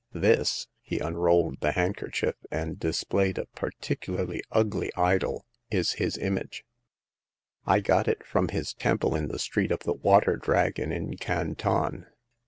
This" — he unrolled the handkerchief and dis played a particularly ugly idol —" is his image. I got it from his temple in the Street of the Water Dragon in Canton.